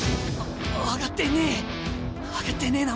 上がってねえ。